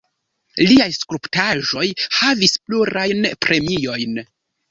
Liaj skulptaĵoj havis plurajn premiojn.